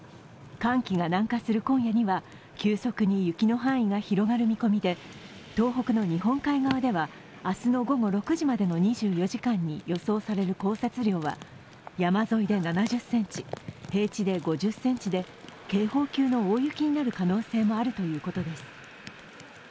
寒気が南下する今夜には急速に雪の範囲が広がる見込みで、東北の日本海側では明日の午後６時までの２４時間に予想される降雪量は山沿いで７０ｃｍ、平地で５０ｃｍで、警報級の大雪になる可能性もあるということです。